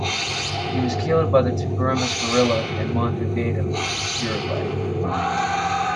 He was killed by the Tupamaros guerilla in Montevideo, Uruguay.